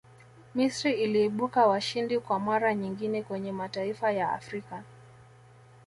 misri iliibuka washindi kwa mara nyingine kwenye mataifa ya afrika